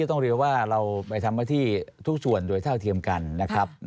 ต้องเรียกว่าเราไปทำหน้าที่ทุกส่วนโดยเท่าเทียมกันนะครับ